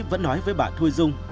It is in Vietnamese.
vẫn nói với bà thuê dung